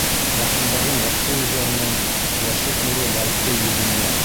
Яҡындарҙың яҡты йөҙҙәренән Йәшлек нуры балҡый йөҙөңдә.